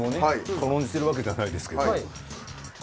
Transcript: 軽んじてるわけじゃないですけど。